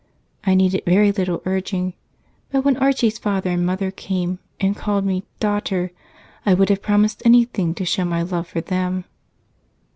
I needed very little urging, but when Archie's father and mother came and called me 'daughter,' I would have promised anything to show my love for them."